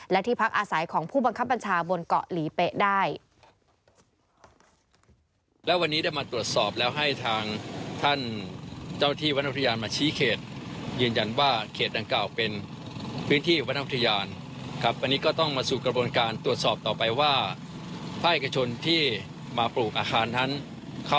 และที่พักอาศัยของผู้บังคับบัญชา